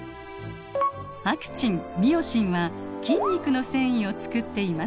アクチンミオシンは筋肉の繊維をつくっています。